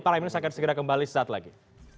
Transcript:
prime news akan segera kembali saat lagi